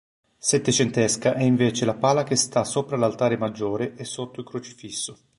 Settecentesca è invece la pala che sta sopra l'altare maggiore e sotto il crocifisso.